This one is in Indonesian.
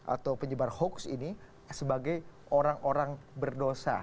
atau penyebar hoax ini sebagai orang orang berdosa